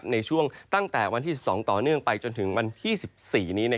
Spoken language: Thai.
ในช่วงตั้งแต่วันที่๑๒ต่อเนื่องไปจนถึงวันที่๑๔นี้